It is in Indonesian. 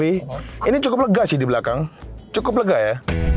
ini cukup lega sih di belakang cukup lega ya